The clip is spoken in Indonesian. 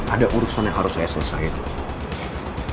ada urusan yang harus saya selesaikan